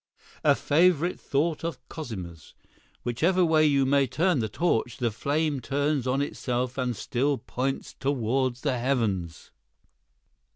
'" ("A favorite thought of Cosima's: Whichever way you may turn the torch, the flame turns on itself and still points toward the heavens.'")